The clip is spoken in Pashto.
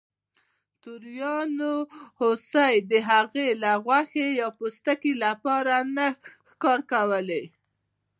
توریانو هوسۍ د هغې له غوښې یا پوستکي لپاره نه ښکار کولې.